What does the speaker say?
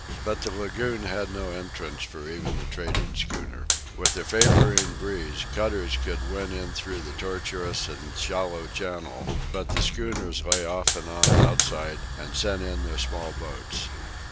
But the lagoon had no entrance for even a trading schooner. With a favoring breeze cutters could win in through the tortuous and shallow channel, but the schooners lay off and on outside and sent in their small boats.